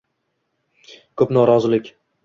ko'p norozilik